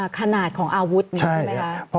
ถนาดของอาวุธใช่ไหมครับ